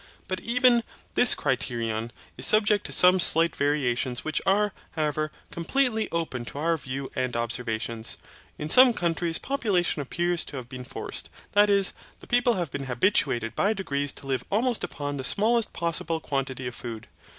But even, this criterion is subject to some slight variations which are, however, completely open to our view and observations. In some countries population appears to have been forced, that is, the people have been habituated by degrees to live almost upon the smallest possible quantity of food.